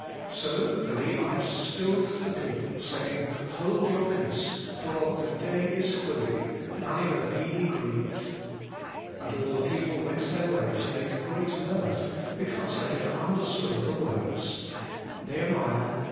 So the Levites stilled the people, saying, Hold your peace ; for the day is holy ; neither be ye grieved. And all the people went their way to make great mirth, because they had understood the words.' NEH. viii.